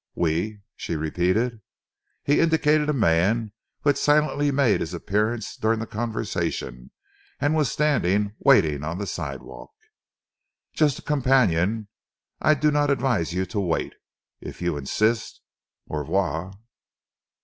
"We?" she repeated. He indicated a man who had silently made his appearance during the conversation and was standing waiting on the sidewalk. "Just a companion. I do not advise you to wait. If you insist au revoir!"